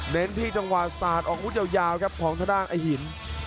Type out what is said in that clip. เน้นที่จังหวาศาสตร์ออกมุดยาวครับของทดานไอหิน